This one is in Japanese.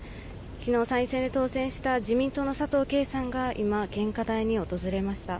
昨日、参院選で当選した自民党の佐藤啓さんが今、献花台に訪れました。